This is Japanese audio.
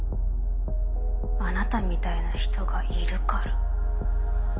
あなたみたいな人がいるから。